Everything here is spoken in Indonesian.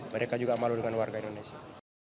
mereka juga malu dengan warga indonesia